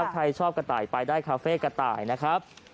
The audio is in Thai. ใครชอบกระต่ายไปได้คาเฟ่กระต่ายนะครับ